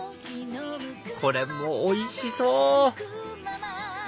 これもおいしそう！